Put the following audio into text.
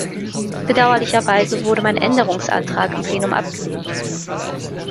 Bedauerlicherweise wurde mein Änderungsantrag im Plenum abgelehnt.